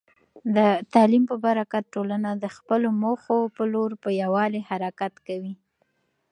د تعلیم په برکت، ټولنه د خپلو موخو په لور په یووالي حرکت کوي.